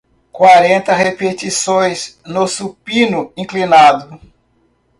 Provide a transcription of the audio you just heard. Quarenta repetições no supino inclinado